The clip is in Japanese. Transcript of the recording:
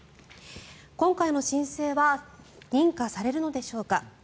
今回の申請は認可されるのでしょうか。